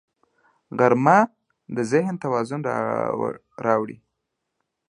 غرمه د ذهن توازن راوړي